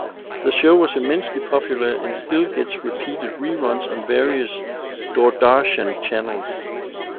The show was immensely popular and still gets repeated re-runs on various Doordarshan channels.